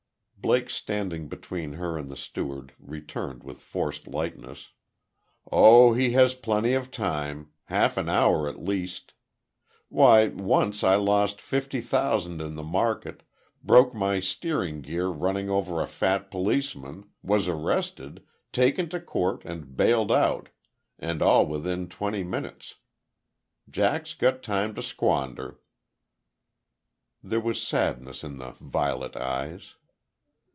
Blake standing between her and the steward, returned with forced lightness: "Oh, he has plenty of time. Half an hour at least. Why, once I lost fifty thousand in the market, broke my steering gear running over a fat policeman, was arrested, taken to court and bailed out and all within twenty minutes. Jack's got time to squander." There was sadness in the violet eyes.